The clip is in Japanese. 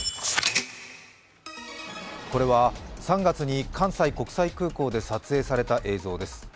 これは３月に関西国際空港で撮影された映像です。